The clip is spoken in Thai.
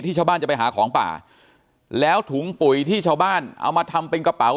ชาวบ้านจะไปหาของป่าแล้วถุงปุ๋ยที่ชาวบ้านเอามาทำเป็นกระเป๋า